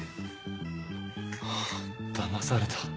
だまされた。